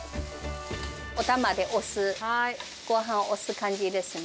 お玉で押す、ごはんを押す感じですね。